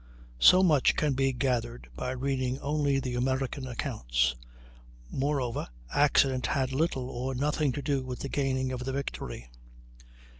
So much can be gathered by reading only the American accounts. Moreover accident had little or nothing to do with the gaining of the victory.